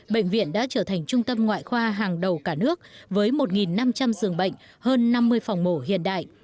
bệnh viện đã trở thành trung tâm ngoại khoa hàng đầu cả nước với một năm trăm linh giường bệnh hơn năm mươi phòng mổ hiện đại